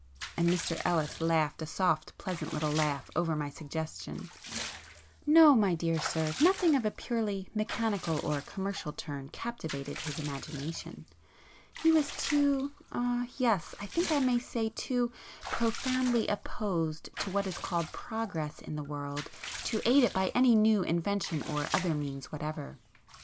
and Mr Ellis laughed a soft pleasant little laugh over my suggestion—"No, my dear sir—nothing of a purely mechanical or commercial turn captivated his imagination. He was too,—er—yes, I think I may say too profoundly opposed to what is called 'progress' in the world [p 49] to aid it by any new invention or other means whatever.